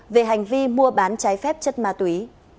về hành vi mua bán trái phép chất ma túy